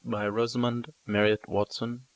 1895. Rosamund Marriott Watson b.